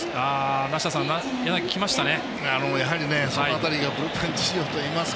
梨田さん、柳きましたね。